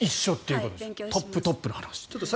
トップトップの話。